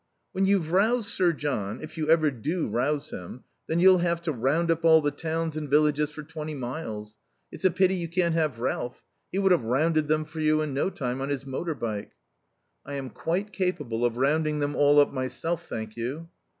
"When you've roused Sir John, if you ever do rouse him, then you'll have to round up all the towns and villages for twenty miles. It's a pity you can't have Ralph; he would have rounded them for you in no time on his motor bike." "I am quite capable of rounding them all up myself, thank you."